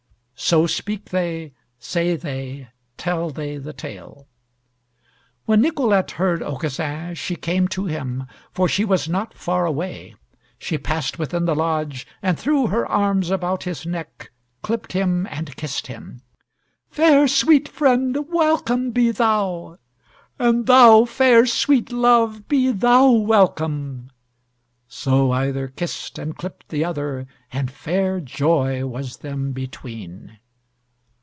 So speak they, say they, tell they The Tale. When Nicolette heard Aucassin, she came to him, for she was not far away. She passed within the lodge, and threw her arms about his neck, clipped him and kissed him. "Fair, sweet friend, welcome be thou!" "And thou, fair, sweet love, be thou welcome!" So either kissed and clipped the other, and fair joy was them between.